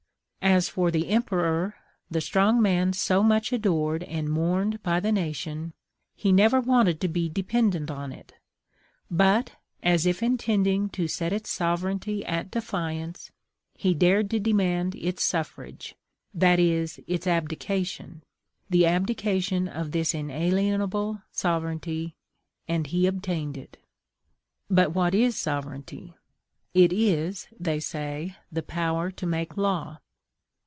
As for the Emperor, the strong man so much adored and mourned by the nation, he never wanted to be dependent on it; but, as if intending to set its sovereignty at defiance, he dared to demand its suffrage: that is, its abdication, the abdication of this inalienable sovereignty; and he obtained it. But what is sovereignty? It is, they say, the POWER TO MAKE LAW.